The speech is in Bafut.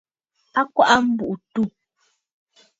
A kɔʼɔ aa a mbùʼû àtû.